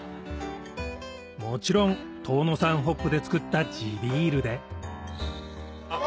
もちろん遠野産ホップで作った地ビールで・乾杯！